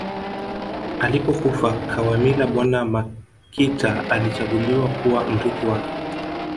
Alipokufa Kawamila bwana Makita alichaguliwa kuwa mrithi wake